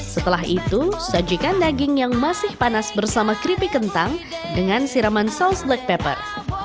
setelah itu sajikan daging yang masih panas bersama keripik kentang dengan siraman saus black pepper